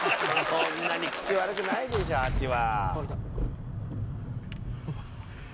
そんなに口悪くないでしょハチは。